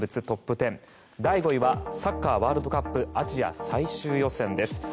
トップ１０第５位はサッカーワールドカップアジア最終予選です。